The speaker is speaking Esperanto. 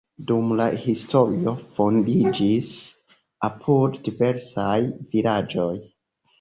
Dum la historio fondiĝis apude diversaj vilaĝoj.